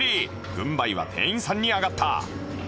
軍配は店員さんに上がった